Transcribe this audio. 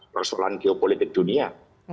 persoalan geopolitik dunia